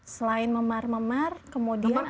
selain memar memar kemudian